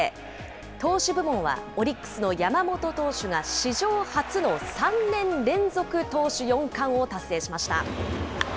投手部門はオリックスの山本投手が史上初の３年連続投手４冠を達成しました。